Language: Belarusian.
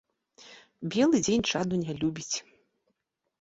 Белы дзень чаду не любіць.